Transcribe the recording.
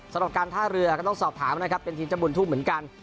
สำหรับการท่าเรือก็ต้องสอบถามนะครับเป็นทีมเจ้าบุญทุ่มเหมือนกัน